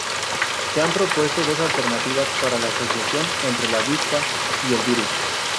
Se han propuesto dos alternativas para la asociación entre la avispa y el virus.